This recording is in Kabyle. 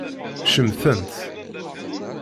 Cemtent.